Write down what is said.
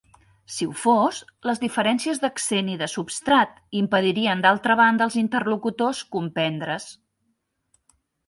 Si ho fos, les diferències d'accent i de substrat impedirien d'altra banda als interlocutors comprendre's.